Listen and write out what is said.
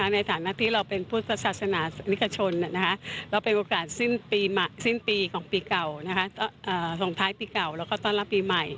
ในฐานะที่เราเป็นพุทธศาสนานิกชนแล้วเป็นโอกาสสิ้นปีของปีเก่าส่งท้ายปีเก่าแล้วก็ต้อนรับปีใหม่